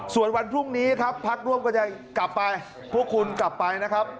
ส่วนวันพรุ่งนี้ครับพักร่วมก็จะกลับไปพวกคุณกลับไปนะครับ